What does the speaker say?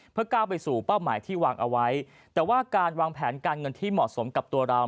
เพื่อก้าวไปสู่เป้าหมายที่วางเอาไว้แต่ว่าการวางแผนการเงินที่เหมาะสมกับตัวเรา